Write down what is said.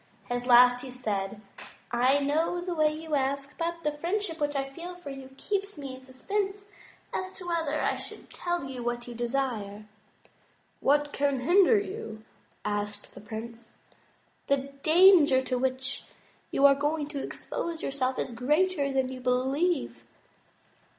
At last he said: "I know the way you ask, but the friendship which I feel for you keeps me in suspense as to whether I should tell you what you desire." "What can hinder you?" asked the prince. "The danger to which you are going to expose yourself is greater than you believe.